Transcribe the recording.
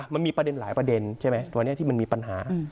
มันมีประเด็นหลายประเด็นใช่ไหมวันนี้ที่มันมีปัญหา